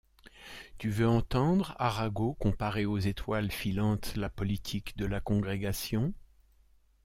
Tu veux entendre Arago comparer aux étoiles filantes la politique de la Congrégation ?